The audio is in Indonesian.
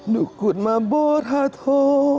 dukutma borhat ho